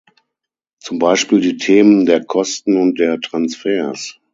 Zum Beispiel die Themen der Kosten und der Transfers.